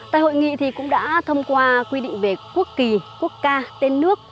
tại hội nghị cũng đã thông qua quy định về quốc kỳ quốc ca tên nước